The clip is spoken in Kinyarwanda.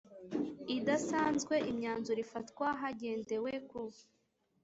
idasanzwe Imyanzuro ifatwa hagendewe ku